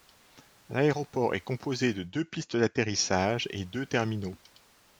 L'aéroport est composé de deux pistes d'atterrissage et deux terminaux.